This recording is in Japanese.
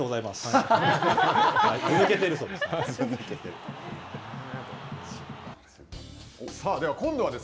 頭抜けているそうです。